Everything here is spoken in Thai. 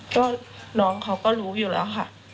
ก็น้องเขาก็รู้อยู่แล้วค่ะ